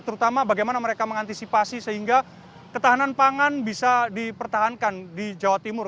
terutama bagaimana mereka mengantisipasi sehingga ketahanan pangan bisa dipertahankan di jawa timur